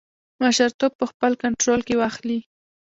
مشرتوب په خپل کنټرول کې واخلي.